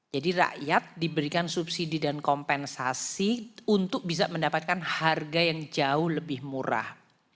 jadi rakyat diberikan subsidi dan kompensasi untuk bisa mendapatkan harga yang jauh lebih murah